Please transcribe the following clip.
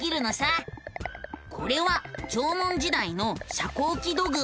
これは縄文時代の遮光器土偶。